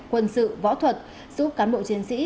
quân sự võ thuật giúp cán bộ chiến sĩ